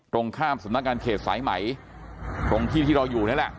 ตรงข้ามสำนักงานเขตสายไหมตรงที่ที่เราอยู่นี่แหละ